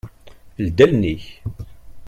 Ldi allen-ik!